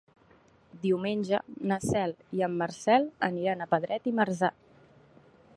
Diumenge na Cel i en Marcel aniran a Pedret i Marzà.